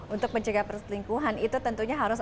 untuk mencegah perselingkuhan itu tentunya harus